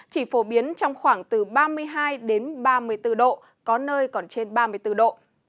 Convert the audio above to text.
chỉ phổ biến trong khoảng từ ba mươi hai ba mươi bốn độ có nơi còn trên ba mươi bốn độ